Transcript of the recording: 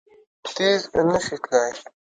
تېز نه شي تلای!